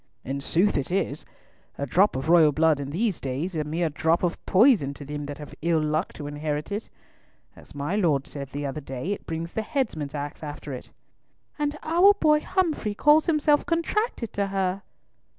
"In sooth it is! A drop of royal blood is in these days a mere drop of poison to them that have the ill luck to inherit it. As my lord said the other day, it brings the headsman's axe after it." "And our boy Humfrey calls himself contracted to her!"